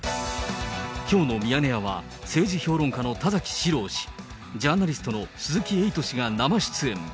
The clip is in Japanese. きょうのミヤネ屋は、政治評論家の田崎史郎氏、ジャーナリストの鈴木エイト氏が生出演。